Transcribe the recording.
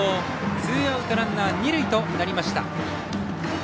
ツーアウトランナー二塁となりました。